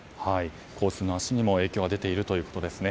交通の足にも影響が出ているということですね。